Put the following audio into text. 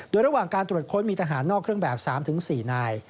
โดยระหว่างการตรวจค้นมีทหารนอกเครื่องแบบ๓๔นาย